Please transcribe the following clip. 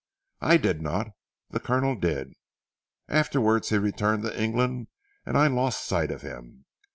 "I did not the Colonel did. Afterwards he returned to England, and I lost sight of him.